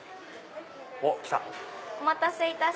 おっ来た！